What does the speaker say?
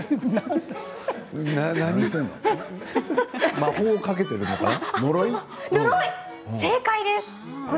魔法をかけているのかな。